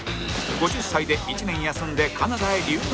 ５０歳で１年休んでカナダへ留学